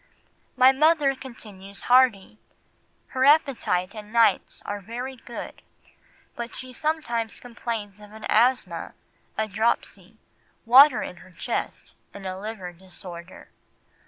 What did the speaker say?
"My mother continues hearty; her appetite and nights are very good, but she sometimes complains of an asthma, a dropsy, water in her chest, and a liver disorder."